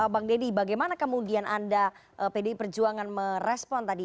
bang deddy bagaimana kemudian anda pdi perjuangan merespon tadi